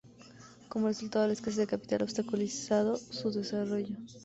Como resultado, la escasez de capital obstaculizado su desarrollo.